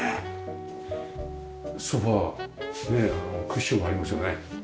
ソファねクッションありますよね。